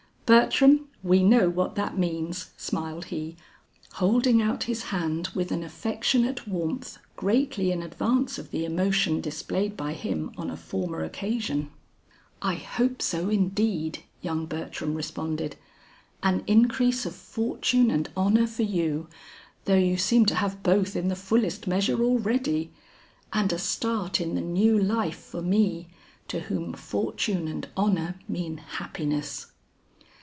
Bertram, we know what that means," smiled he, holding out his hand with an affectionate warmth greatly in advance of the emotion displayed by him on a former occasion. "I hope so indeed," young Bertram responded. "An increase of fortune and honor for you, though you seem to have both in the fullest measure already, and a start in the new life for me to whom fortune and honor mean happiness."